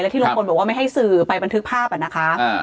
ที่ลุงพลบอกว่าไม่ให้สื่อไปบันทึกภาพอ่ะนะคะ